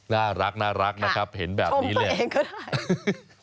น่ารักนะครับเห็นแบบนี้เนี่ยเองก็ได้